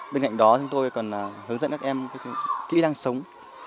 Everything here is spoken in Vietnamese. bên cạnh đó chúng tôi còn hướng dẫn các em kỹ năng sống